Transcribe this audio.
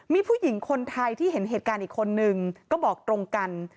มีผู้หญิงคนไทยที่เห็นเหตุการณ์อีกคนนึงก็บอกตรงกัน